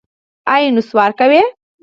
ایا نسوار کوئ؟